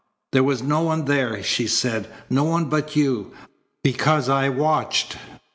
"There was no one there," she said, "no one but you, because I watched."